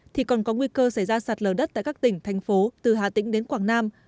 thì còn có nguy cơ xảy ra sạt lở đất tại các tỉnh thành phố từ hà tĩnh đến quảng nam